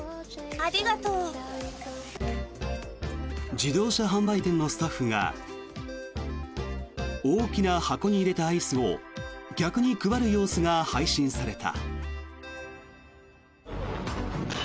自動車販売店のスタッフが大きな箱に入れたアイスを客に配る様子が配信された。